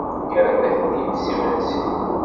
Yeɛreḍ-iten-id s imensi.